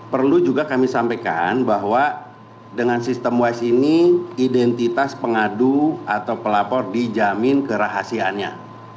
perlu juga kami sampaikan bahwa dengan sistem wise ini identitas pengadu atau pelapor dijamin kerahasiaannya